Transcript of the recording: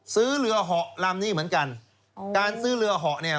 ซื้อเรือเหาะลำนี้เหมือนกันการซื้อเรือเหาะเนี่ย